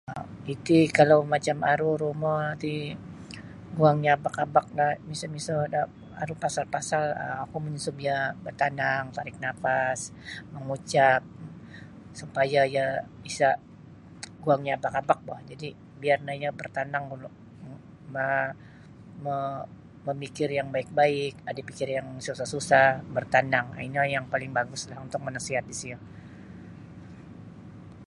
um Iti kalau macam aru rumo ti guangnyo abak-abak no miso-miso da aru pasal-pasal um oku manyunsub iyo batanang tarik nafas mangucap supaya iyo isa' guangnyo abak-abak boh jadi' biar no iyo bartanang gulu ma mo mamikir yang baik-baik adai pikir yang susah-susah bartanang ino yang paling baguslah untuk manasiat disiyo.